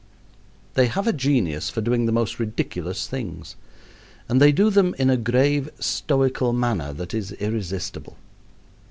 They have a genius for doing the most ridiculous things, and they do them in a grave, stoical manner that is irresistible.